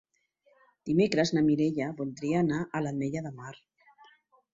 Dimecres na Mireia voldria anar a l'Ametlla de Mar.